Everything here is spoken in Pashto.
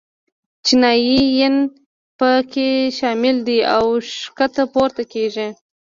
چینایي ین په کې شامل دي او ښکته پورته کېږي.